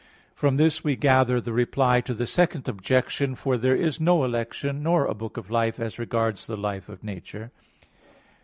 From this we gather the Reply to the Second Objection. For there is no election, nor a book of life, as regards the life of nature.